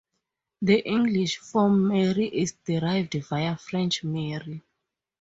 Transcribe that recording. The English form "Mary" is derived via French "Marie".